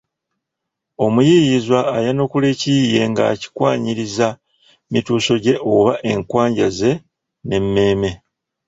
Omuyiiyizwa ayanukula ekiyiiye ng’akikwanyiriza mituuso gye oba enkwajja ze n'emmeeme.